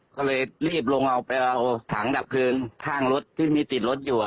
ก็เลยรีบลงเอาไปเอาถังดับคืนข้างรถที่มีติดรถอยู่